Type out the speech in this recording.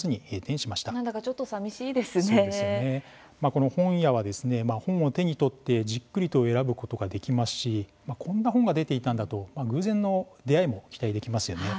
この本屋は本を手に取ってじっくりと選ぶことができますしこんな本が出ていたんだと偶然の出会いも期待できますよね。